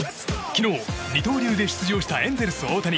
昨日、二刀流で出場したエンゼルス、大谷。